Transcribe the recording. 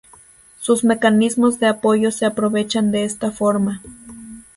Sus mecanismos de apoyo se aprovechan de esta forma.